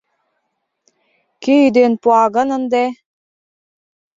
Кӧ ӱден пуа гын ынде?